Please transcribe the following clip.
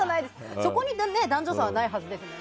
そこに男女差はないはずですもんね。